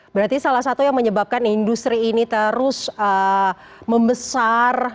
berarti salah satu yang menyebabkan industri ini terus membesar